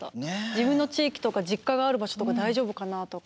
自分の地域とか実家がある場所とか大丈夫かなとか。